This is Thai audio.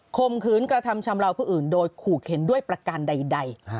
คงขืนกระทำชำระวหรือหล่อผู้อื่นโดยขู่เข็นด้วยประการใด